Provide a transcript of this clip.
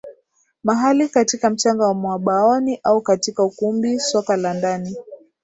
mahali katika mchanga wa mwabaoni au katika ukumbi soka la ndani